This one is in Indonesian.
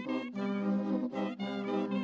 pertama suara dari biasusu